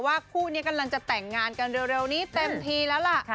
คู่นี้กำลังจะแต่งงานกันเร็วนี้เต็มทีแล้วล่ะ